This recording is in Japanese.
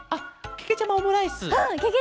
けけちゃまオムライス！